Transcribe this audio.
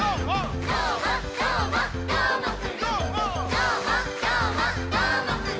「どーもどーもどーもくん！」